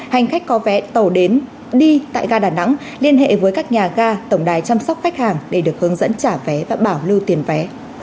hành khách có vé tàu đến đi tại ga đà nẵng liên hệ với các nhà ga tổng đài chăm sóc khách hàng để được hướng dẫn trả vé và bảo lưu tiền vé